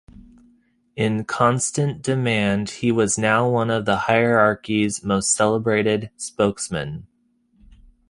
In constant demand, he was now one of the hierarchy's most celebrated spokesmen.